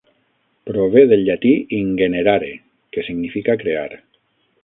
Prové del llatí "ingenerare", que significa "crear".